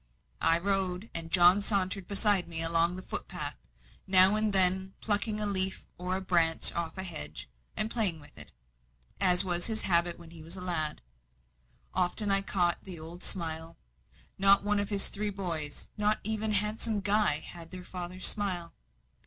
I rode, and John sauntered beside me along the footpath, now and then plucking a leaf or branch off the hedge, and playing with it, as was his habit when a lad. Often I caught the old smile not one of his three boys, not even handsome Guy, had their father's smile.